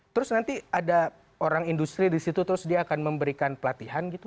terus nanti ada orang industri di situ terus dia akan memberikan pelatihan gitu